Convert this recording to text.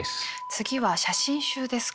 次は写真集ですか。